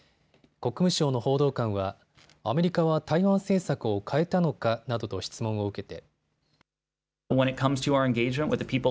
国務省の報道官はアメリカは台湾政策を変えたのかなどと質問を受けて。